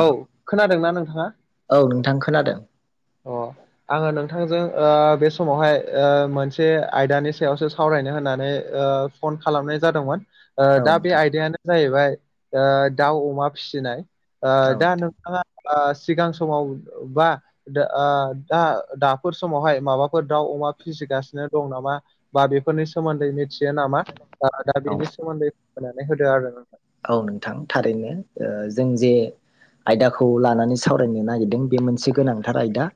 औ खोनादोंना नोंथाङा औ नोंथां खोनादों अ आङो नोंथांजों ओ बे समावहाय ओ मोनसे आयदानि सायावसो सावरायनो होननानै ओ फन खालामनाय जादोंमोन औ दा बे नोंथां आयदायानो जाहैबाय ओ दाउ अमा फिसिनाय ओ औ दा नोंथां नोंथाङा ओ सिगां समाव बा ओ दा दाफोर समावहाय माबाफोर दाउ अमा फिसिगासिनो दं नामा बा बेफोरनि सोमोन्दै मिथियो नामा दा औ बेनि सोमोन्दै फोरमायनानै होदो आरो नोंथां औ नोंथां थारैनो जों जे आयदाखौ लानानै सावरायनो नागिरदों बे मोनसे गोनांथार आयदा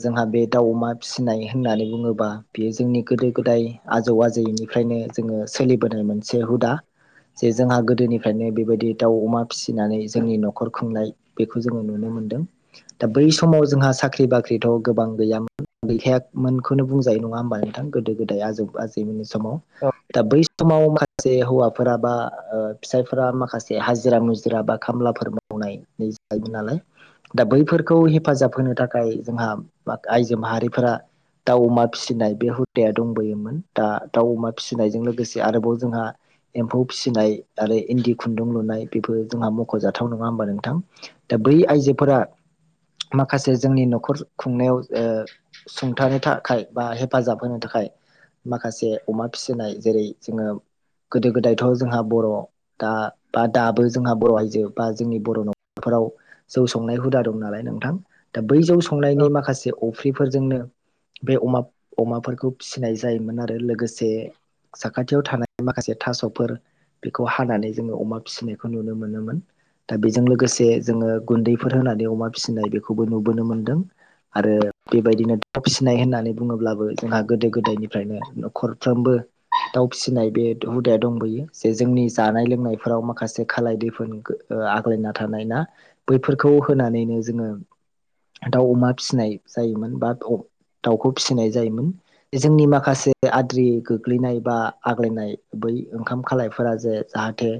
जोंहा बे दाउ अमा फिसिनाय होननानै बुङोबा बेयो जोंनि गोदो गोदाय आजौ आजैनिफ्रायनो जोङो सोलिबोनाय मोनसे हुदा जे जोंहा गोदोनि गोदोनिफ्रानो बेबायदि दाउ अमा फिसिनानै जोंनि न'खर खुंनाय बेखौ जोङो नुनो मोनदों दा बै समाव जोंहा साख्रि बाख्रिथ' गोबां गैयामोन गैखायामोनखौनो बुंजायो नङा होमबानों गोदो गोदाय आजौ आजै गोदोनि समाव औ दा बै समाव माखासे हौवाफोराबा ओ फिसायफोरा माखासे हाजिरा मुजिरा बा खामलाफोर मावनानै जायोमोन नालाय दा बैफोरखौ हेफाजाब होनो थाखाय जोंहा आइजो माहारिफोरा दाउ अमा फिसिनाय बे हुदाया दंबोयोमोन दा दाउ अमा फिसिनायजों लोगोसे आरोबाव जोंहा एम्फौ फिसिनाय आरो इन्दि खुन्दुं लुनाय बेफोर जोंहा मख'जाथाव नङा होमबा नोंथां दा बै आइजोफोरा माखासे जोंनि न'खर खुंनायाव ओ सुंथानो थाखाय बा हेफाजाब होनो थाखाय माखासे अमा फिसिनाय जेरै जोङो गोदो गोदायथ' जोंहा बर' दा बा दाबो जोंहा बर' आइजो बा जोंनि बर' न'खरफोराव जौ संनाय हुदा दं नालाय नोंथां दा बै जौ संनायनि औ माखासे अफ्रिफोरजोंनो बे अमा अमाफोरखौ फिसिनाय जायोमोन आरो लोगोसे साखाथियाव थानाय माखासे थास'फोर खौ हानानै जोङो अमा फिसिनायखौ नुनो मोनोमोन दा बेजों लोगोसे जोङो गुन्दैफोर होनानै अमा फिसिनाय बेखौबो नुबोनो मोनदों आरो बेबायदिनो दउ फिसिनाय होननानै बुङोब्लाबो जोंहा गोदो गोदायनिफ्रायनो न'खरफ्रोमबो दाउ फिसिनाय बे हुदाया दंबोयो जे जोंनि जानाय लोंनायफोराव माखासे खालाय दैफोन आग्लायना थानाय ना बैफोरखौ होनानैनो जोङो दाउ अमा फिसिनाय जायोमोन बा दाउखौ फिसिनाय जायोमोन जोंनि माखासे आद्रि गोग्लैनाय बा आग्लायनाय बै ओंखाम खालायफोरा जे जााथो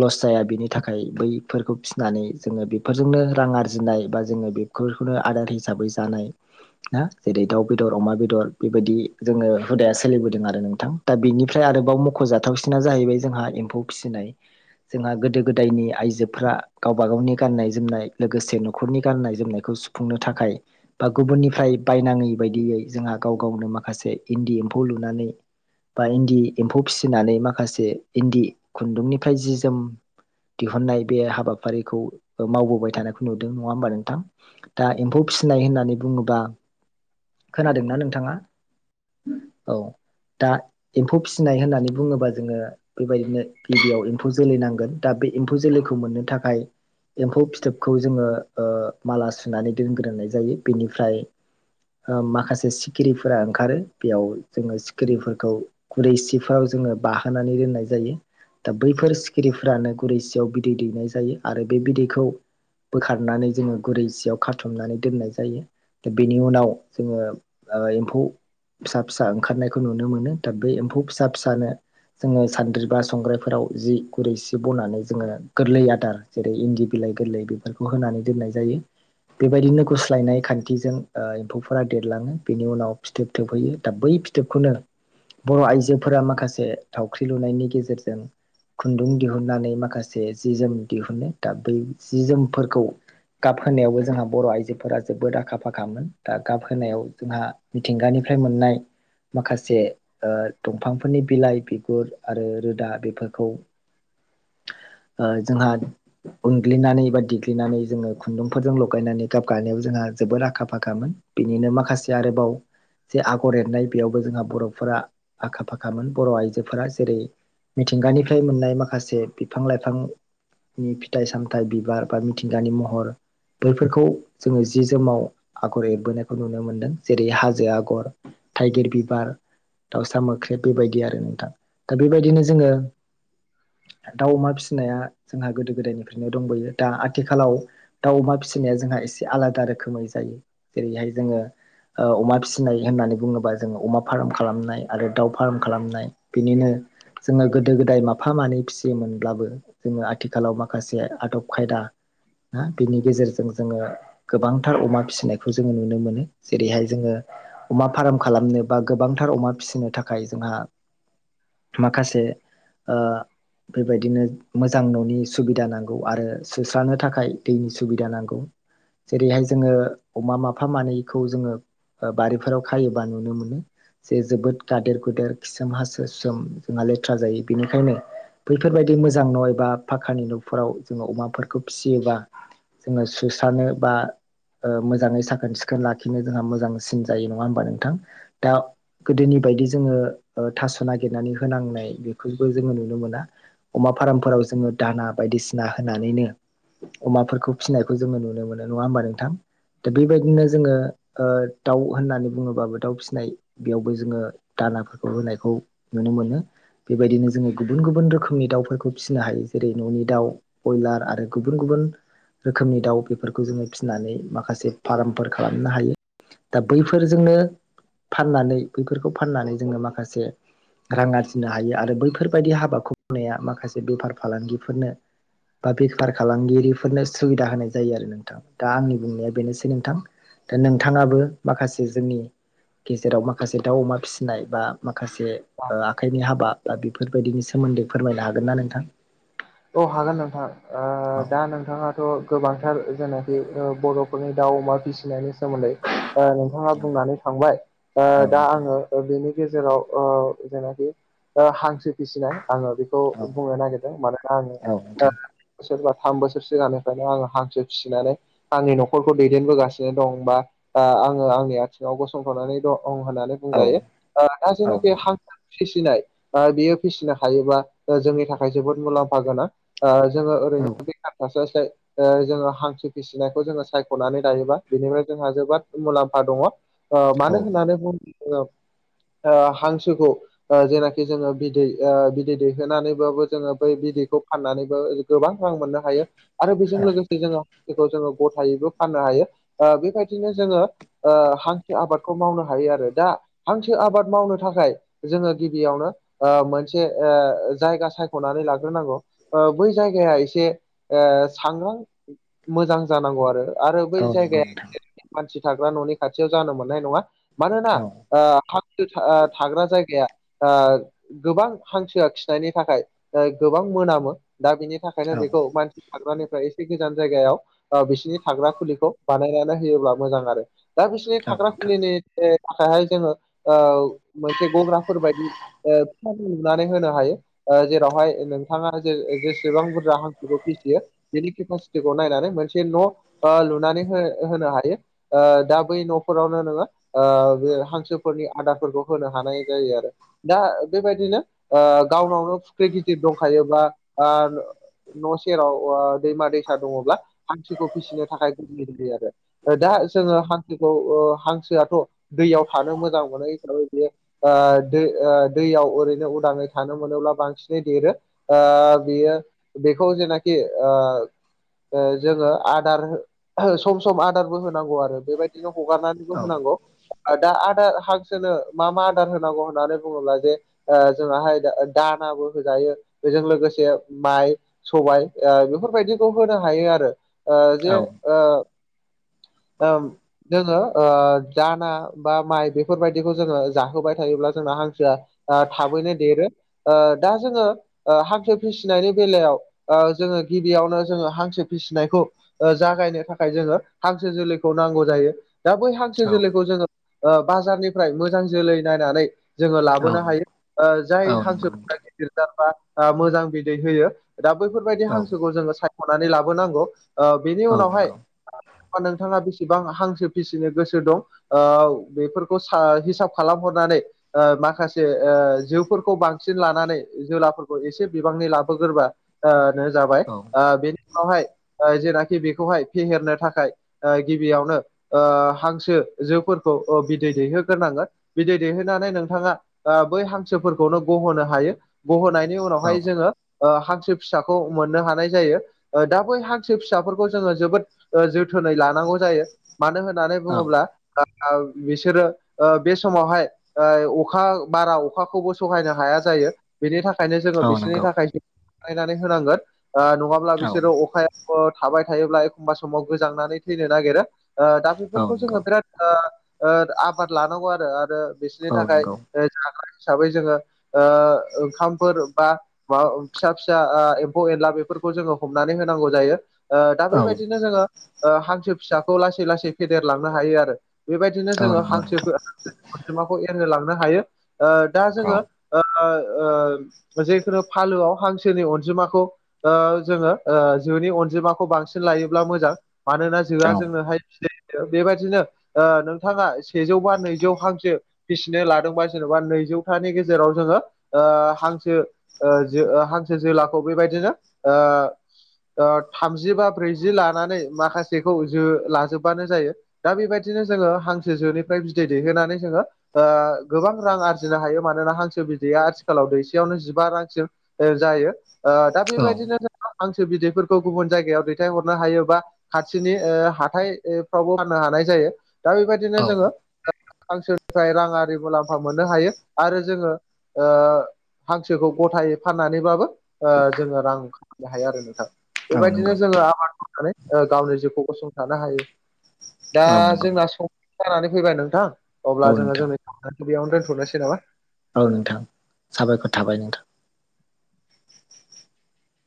लस जाया बेनि थाखाय बैफोरखौ फिसिनानै जोङो बेफोरजोंनो रां आरजिनाय बा जोङो बे खुनखुनु आदार हिसाबै जानाय ना जेरै दाउ बेदर अमा बेदर बेबायदि जोङो हुदाया सोलिबोदों आरो नोंथां दा बेनिफ्राय आरोबाव मख'जाथावसिना जाहैबाय जोंहा एम्फौ फिसिनाय जोंहा गोदो गोदायनि आइजोफ्रा गावबा गावनि गाननाय जोमनाय लोगोसे न'खरनि गाननाय जोमनायखौ सु फुंनो थाखाय बा गुबुननिफ्राय बायनाङै बायदियै जोंहा गाव गावनो माखासे इन्दि एम्फौ लुनानै बा इन्दि एम्फौ फिसिनानै माखासे इन्दि खुन्दुंनिफ्राय जि जोम दिहुननाय बे हाबाफारिखौ मावबोबाय थानायखौ नुदों नङा होमबा नोंथां दा एम्फौ फिसिनाय होननानै बुङोबा खोनादोंना नोंथाङा औ दा एम्फौ फि फिनाय होननानै बुङोब्ला जोङो बेबायदिनो गिबियाव एम्फौ जोलै नांगोन दा बे एम्फौ जोलैखौ मोननो थाखाय एम्फौ फिथोबखौ जोङो माला सुनानै दोनग्रोन होननाय जायो बेनिफ्राय माखासे सिखिरिफोरा ओंखारो बेयाव जोङो सिखिरिफोरखौ खुरैसिफोराव जोङो बाहोनानै दोननाय जायो दा बैफोर सिखिरिफ्रानो गुरैसियाव बिदै दैनाय जायो आरो बे बिदैखौ बोखारनानै जोङो गुरै जियाव खाथुमनानै दोननाय जायो दा बेनि उनाव जोङो ओ एम्फौ फिसा फिसा ओंखारनायखौ नुनो मोनो दा बे एम्फौ फिसा फिसानो जोङो सानद्रि बा संग्राइफोराव जि गुरै सि बनानै जोङो गोरलै आदार जेरै इन्दि बिलाइ गोरलै खौ होनानै दोननाय जायो बेबायदिनो गुस्लायनाय खान्थिजों एम्फौफोरा देरलाङो बेनि उनाव फिथोब थोबहैयो दा बै फिथोबखौनो बर' आइजोफोरा माखासे थावख्रि लुनायनि गेजेरजों जसे खुन्दुं दिहुननानै माखासे जि जोम दिहुनो दा बै जि जोमफोरखौ गाब होनोनायावबो जोंहा बर' आइजोफोरा जोबोद आखा फाखामोन दा गाब होनायाव जोंहा मिथिंगानिफ्राय मोननाय माखासे दंफांफोरनि बिलाइ बिगुर आरो दा बेफोरखौ जोंहा उनग्लिनानै बबा देग्लिनानै जोङो खुन्दुंफोरजों लगायनानै गाब गानायाव जोंहा जोोबोर आखा फाखामोन बिनिनो माखासे आरोबाव जे आगर एरनाय बेयावबो जोंहा बर'फोरा आखा फाखामोन बर' आइजोफोरा जेरै मिथिंगानिफ्राय मोननाय माखासे बिफां लाइफां नि फिथाइ सामथायाइ बिबार बा मिथिंगानि महर बेफोरखौ जोङो जि जोमाव आगर एरबोनायखौ नुनो मोन्दों जेरै हाजो आगर थाइगिर बिबार दाउसा मोख्रेब बेबायदि आरो नोंथां दा बेबायदिनो जोङो दाउ अमा फिसिनाया जोंहा गोदो गोदायनिफ्राय बेफोरनो दंबोयो दा आथिखालाव दाउ अमा फिसिनाया जोंहा एसे आलादा रोखोमै जायो जेरैहाय जोङो अमा फिसिनाय होननानै बुङोबा जोङो अमा फार्म खालामनाय आरो दाउ फार्म खालामनाय बिनिनो जोङो गोदो गोदाय माफा मानै फिसियोमोनब्लाबो जोङो आथिखालाव माखासे आदब खायदा हा बिनि गेजेरजों जोङो गोबांथार अमा फिसिनायखौ जोङो नुनो मोनो जेरैहाय जोङो अमा फार्म खालामनो बा गोबांथार अमा फिसिनो थाखाय जोंहा माखासे ओ बेबायदिनो मोजां न'नि सुबिदा नांगौ आरो सुस्रानो थाखाय दैनि सुबिदा नांगौ जेरैहाय जोङो अमा माफा मानैखौ जोङो ओ बारिफोराव खायोबा नुनो मोनो जे जोबोद गादेर गुदेर खिसोम हासु सोम जोंहा लेथ्रा जायो बेनिखायनो बैफोरबायदि मोजां न' एबा फाखानि न'फोराव जोङो अमाफोरखौ फियोबा जोंङो सुस्रांनो बा ओ मोजाङै साखोन सिखोन लाखिनो जोंहा मोजांसिन जायो नङा होमबा नोंथां दा गोदोनि बायदि जोङो ओ थास' नागिरनानै होनांनाय बेखौबो जोङो नुनो मोना अमा फार्मफोराव जोङो दाना बायदिसिना होनानैनो अमाफोरखौ फिनायखौ जोङो नुनो मोनो नङा होमबा नोंथां दा बेबायदिनो जोङो ओ दाउ होननानै बुङोबाबो दाउ फिनाय बेयावबो जोङो दानाफोरखौ होनायखौ नुनो मोनो बेबायदिनो जोङो गुबुन गुबुन रोखोमनि दाउफोरखौ फिसिनो हायो जेरै न'नि दाउ बयलार आरो गुबुन गुबुन रोखोमनि दाउ बेफोरखौ जोङो फिसिनानै माखासे फार्मफोर खालामनो हायो दा बैफोरजोंनो फाननानै बैफोरखौ फाननानै जोंङो माखासे रां आरजिनो हायो आरो बैफोरबायदि हाबाखौ मावनाया माखासे बेफार फालांगिफोरनो बा बेफार फालांगिरिफोरनो सुबिदा होनाय जायो आरो नोंथां दा आंनि बुंनाया बेनोसै नोंथां दा नोंथाङाबो माखासे जोंनि गेजेराव माखासे दाउ अमा फिसिनाय बा माखासे ओ आखाइनि हाबा बा बेफोरबायदिनि सोमोन्दै फोरमायनो हागोन ना नोंथां औ हागोन नोंथां ओ औ दा नोंथाङाथ' गोबांथार जेनाखि ओ बर'फोरनि दाउ अमा फिसिनायनि सोमोन्दै ओ नोंथाङा औ बुंनानै थांबाय ओ औ दा नोंथां आङो ओ बेनि गेजेराव ओ जेनाखि ओ हांखो फिसिनाय आङो बेखौ औ बुंनो नागिरदों मानोना आङो औ ओ नोंथां बोसोर बा थाम बोसोर सिगांनिफ्रायनो आङो हांसो फिनानै आंनि न'खरखौ दैदेनबोगासिनो दं बा ओ आङो आंनि आथिङाव गसंथानानै दं होननानै औ बुंजायो ओ दा औ जेनाखि हा फिसिनाय ओ बेयो फिसिनो हायोबा ओ जोंनि थाखाय जोबोद मुलाम्फा गोनां ओ जोङो नोंथां औ ओरैनो बेखार थास्लायस्लाइ ओ जोङो हांसो फिसिनायखौ जोङो सायख'नानै लायोबा बेनिफ्राय जोंहा जोबोद मुलाम्फा दङ ओ मानो औ होननानै बुङोब्ला जोङो ओ हांसोखौ ओ जेनाखि जोङो बिदै ओ बिदै दैहोनानैबाबो जोङो बै बिदै खौ फाननानैबो गोबां रां मोननो हायो आरो बेजों औ लोगोसे जोङो जेखौ जोङो गथायैबो फाननो हायो ओ बेबायदिनो जोङो ओ हांसो आबादखौ मावनो हायो आरो दा हांसो आबाद मावनो थाखाय जोङो गिबियावनो ओ मोनसे ओ जायगा सायख'नानै लाग्रोनांगौ ओ बै जायगाया एसे ओ सांग्रां मोजां जानांगौ आरो आरो बै नंगौ नोंथां जायगाया मानसि थाग्रा न'नि खाथियाव जानो मोननाय नङा मानोना औ ओ हांसो ओ थाग्रा जायगाया ओ गोबां हांसोआ खिनायनि थाखाय ओ गोबां मोनामो दा बिनि थाखायनो औ औ बेखौ मानसि थाग्रानिफ्राय एसे गोजान जायगायाव ओ बिसिनि थाग्रा खुलिखौ बानायनानै होयोब्ला मोजां आरो दा बिसोरनि नोंथां थाग्रा खुलिनि थाखायहाय जोङो ओ मोनसे गग्राफोरबायायदि फिथखौ नुनानै होनो हायो जेरावहाय नोंथाङा जे सेबां बुरजा हांसोखौ फियो बिनि केपासिटिखौ नायनानै मोनसे न' लुनानै होनो हायो। दा बै न'फोरावनो नोङो। बे हांसोफोरनि आदारफोरखौ होनो हानाय जायो आरो दा बेबायदिनो गावनावनो फुख्रि गिदिर दंखायोब्ला न' सेराव दैमा दैसा दङब्ला हांसोखौ फिसिनो थाखाय [inaudible] आरो। दा जोङो हांसोखौ हांसोआथ' दैयाव थानो मोजां मोनो हिसाबै बेयो दै दैयाव ओरैनो उदाङै थानो मोनोब्ला बांसिनै देरो बियो बेखौ जेनाखि ओ जोङो आदार सम सम आदारबो होनांगौ आरो बेबायदिनो हगारनानै औ होनांगौ दा आदार हांसोनो मा मा आदार होनांगौ होननानै बुङोब्ला जे ओ जोंहा हाय दानाबो होजायो बेजों लोगोसे माइ सबाय बेफोरबायदिखौ होनो हायो आरो ओ औ जे ओ ओं जोङो ओ दाना बा माइ बेफोरबायदिखौ जोङो जाहोबाय थायोब्ला जोंना हांसोआ थाबैनो देरो दा जोङो हांसो फिसिनायनि बेलायाव जोङो गिबियावनो जोङो हांसो फिसिनायखौ जागायनो थाखाय जोङो हांसो जोलैखौ नांगौ जायो दा बै हां सो औ नंगौ जोलैखौ जोङो बाजारनिफ्राय मोजां जोलै नायनानै जोङो औ लाबोनो हायो जाय नंगौ हांसोफोरा नोंथां गिदिर जारबा मोजां बिदै होयो। दा बैफोरबायदि औ हांसोखौ जोङो सायख'नानै लाबोनांगौ बेनि औ उनावहाय नंगौ नोंथाङा बेसेबां हांसो फिसिनो गोसो दं? ओ बेफोरखौ हिसाब खालामहरनानै माखासे जोफोरखौ बांसिन लानानै जोलाफोरखौ एसे बिबांनि लाबोग्रोबा जाबाय औ बेनि हाय जेनाखि बेखौहाय फेहेरनो थाखाय गिबियावनो हांसो ओ जोफोरखौ बिदै दैहोग्रोनांगोन। बिदै दैहोननानै नोंथाङा बै हांसोफोरखौनो गहोनो हायो गहोनाय बेनि औ उनावहाय जोङो हांसो फिसाखौ मोननो हानाय जायो। दा बै हांसो फिसाफोरखौ जोङो जोबोद जोथोनै लानांगौ जायो मानो होननानै। औ बुङोब्ला बिसोरो बे समावहाय। ओ अखा बारा अखाखौबो सहायनो हाया जायो बेनि थाखाय जोङो औ बिसोरनि नंगौ थाखायो बानायनानै होनांगोन नङाब्ला औ बिसोरो अखाया थाबाय थायोब्ला एखमबा समाव गोजांनानै थैनो नागिरो दा औ बेफोरखौ नंगौ जोङो बिराद आबाद लानांगौ आरो आरो बिसोरनि औ थाखाय नंगौ जाग्रा हिसाबै जोङो ओ ओंखाम फोर बा माबा फिसा फिसा एम्फौ एनला बेफोरखौ जोङो हमनानै होनांगौ जायो। दा औ बेबायदिनो जोङो हांसो फिसाखौ लासै लासै फेदेरलांनो हायो आरो। बेबायदिनो औ जोङो नंगौ नोंथां हांसोखौ। माखौ एंनो लांनो हायो दा औ जोङो ओ ओ। जेखुनु फालोआव हांसोनि अनजिमाखौ जोङो जिउनि अनजिमाखौ बांसिन लायोब्ला मोजां मानोना आ औ जोंनोहाय बेबायदिनो नोंथाङा सेजौ बा नैजौ हांसो। फिसिनो लादोंबा जेनेबा नैजौथानि गेजेराव जोङो ओ हां जो ओ हांसो जोलाखौ बेबायदिनो थामजि बा ब्रैजि लानानै माखासेखौ जो लाजोब्बानो जायो। दा बेबायदिनो जोङो हांसो जोनिफ्राय बिदै दैहोनानै जोङो। गोबां रां आरजिनो हायो मानोना हांसो बिदैया आथिखालाव दै नो जिबा रांसिम जायो दा औ बेबायदिनो हांसो बिदैफोरखौ गुबुन जायगायाव दैथाय हरनो हायोबा खाथिनि हाथायफ्रावबो फाननो हानाय जायो दा बेबायदिनो औ जोङो हांसोनिफ्राय राङि मुलाम्फा मोननो हायो आरो जोङो हांसोखौ गथायै फाननानैबाबो जोङो रां खनो हायो आरो नोंथां औ बेबायदिनो नंगौ जोङो आबाद मावनानै गावनि जिउखौ गसंथानो हायो दा औ नंगौ जोंना सं जानानै फैबाय नोंथां अब्ला औ जोङो नोंथां जोंनि बेयावनो दोनथ'नोसै नामा औ नोंथां साबायखर थाबाय नोंथां